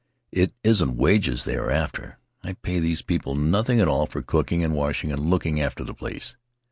It isn't wages they are after; I pay these people nothing at all for cooking and washing and looking after the place.